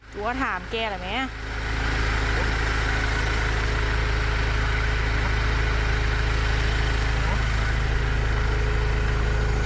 ตัวถามแกอะไรไหม